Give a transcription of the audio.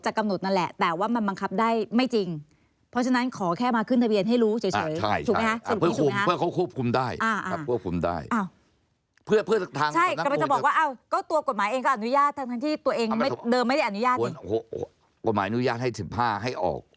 กฏหมายอนุญาตให้๑๕ให้ออก